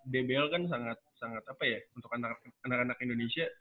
dbl kan sangat sangat apa ya untuk anak anak indonesia